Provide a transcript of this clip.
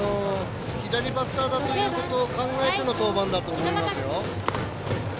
左バッターということを考えての登板だと思います。